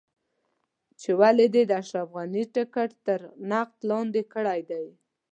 چې ولې دې د اشرف غني ټکټ تر نقد لاندې کړی دی.